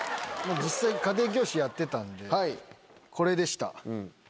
実際に家庭教師やってたんでこれでした。